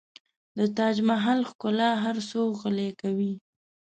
د تاج محل ښکلا هر څوک غلی کوي.